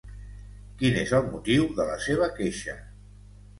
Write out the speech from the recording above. Quin és el motiu de la seva queixa?